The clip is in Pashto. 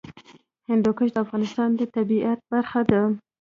هندوکش د افغانستان د طبیعت برخه ده.